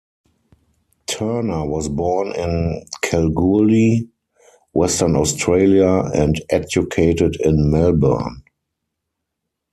Turner was born in Kalgoorlie, Western Australia, and educated in Melbourne.